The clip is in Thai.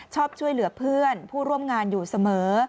ชอบช่วยเหลือเพื่อนผู้ร่วมงานอยู่เสมอ